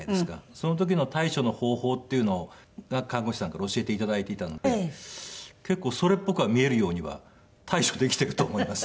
その時の対処の方法っていうのが看護師さんから教えて頂いていたので結構それっぽくは見えるようには対処できていると思います。